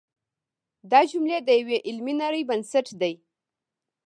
دا جملې د یوې علمي نړۍ بنسټ دی.